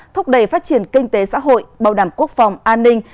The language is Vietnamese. thúc đẩy phát triển kinh tế xã hội bảo đảm quốc phòng an ninh